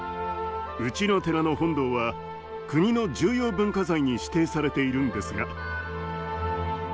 うちの寺の本堂は国の重要文化財に指定されているんですが。